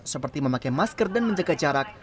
seperti memakai masker dan menjaga jarak